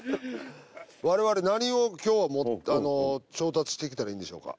罅何を今日は調達してきたらいいんでしょうか？